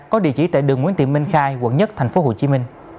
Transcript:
có địa chỉ tại đường nguyễn thị minh khai quận một tp hcm